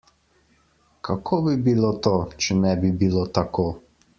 Kako bi bilo to, če ne bi bilo tako?